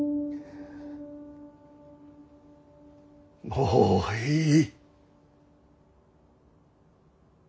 もういい。